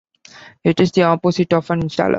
It is the opposite of an installer.